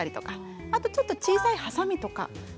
あとちょっと小さいはさみとかありますよね。